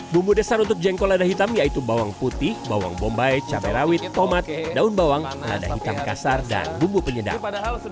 bumbu dasar untuk jengkol lada hitam yaitu bawang putih bawang bombay cabai rawit tomat daun bawang lada hitam kasar dan bumbu penyedap